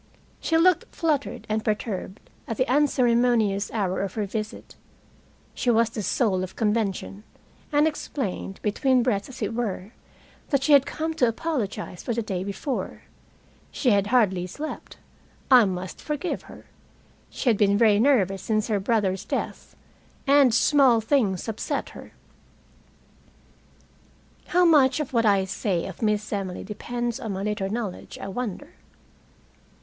She looked fluttered and perturbed at the unceremonious hour of her visit she was the soul of convention and explained, between breaths as it were, that she had come to apologize for the day before. She had hardly slept. I must forgive her. She had been very nervous since her brother's death, and small things upset her. How much of what I say of Miss Emily depends on my later knowledge, I wonder?